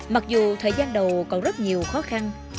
mặc dù thời gian đầu còn rất nhiều khó khăn